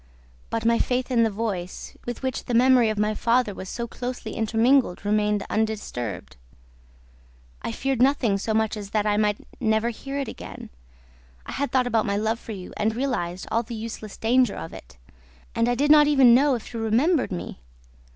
But my faith in the voice, with which the memory of my father was so closely intermingled, remained undisturbed. I feared nothing so much as that I might never hear it again; I had thought about my love for you and realized all the useless danger of it; and I did not even know if you remembered me.